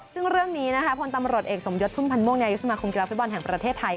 ซึ่งเรื่องนี้นะคะพลตำรวจเอกสมยศพุ่มพันธ์ม่วงนายกสมาคมกีฬาฟุตบอลแห่งประเทศไทย